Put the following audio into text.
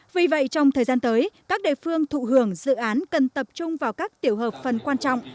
vì vậy trong thời gian tới các địa phương thụ hưởng dự án cần tập trung vào các tiểu hợp phần quan trọng